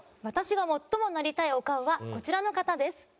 私が最もなりたいお顔はこちらの方です。